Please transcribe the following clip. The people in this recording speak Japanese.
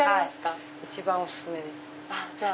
一番お薦めです。